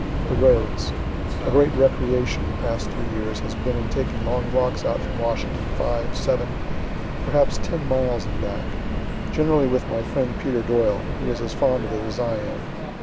The roads A great recreation, the past three years, has been in taking long walks out from Washington, five, seven, perhaps ten miles and back; generally with my friend Peter Doyle, who is as fond of it as I am.